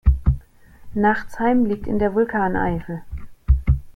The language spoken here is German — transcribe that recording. Nachtsheim liegt in der Vulkaneifel.